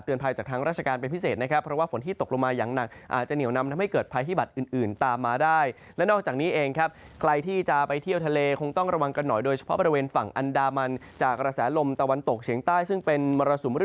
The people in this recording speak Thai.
เตือนภัยจากทางรัชกาลเป็นพิเศษ